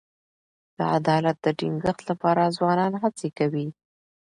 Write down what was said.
د عدالت د ټینګښت لپاره ځوانان هڅي کوي.